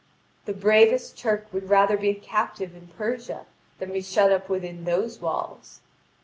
The bravest Turk would rather be a captive in Persia than be shut up within those walls.